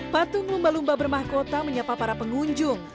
patung lumba lumba bermahkota menyapa para pengunjung